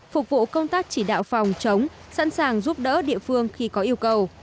phục vụ công tác chỉ đạo phòng chống sẵn sàng giúp đỡ địa phương khi có yêu cầu